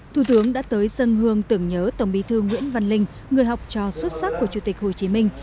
thủ tướng đã tới dân hương tưởng nhớ tổng bí thư nguyễn văn linh người học trò xuất sắc của chủ tịch hồ chí minh